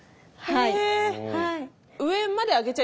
はい。